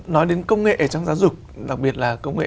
nói đến công nghệ ở trong giáo dục đặc biệt là công nghệ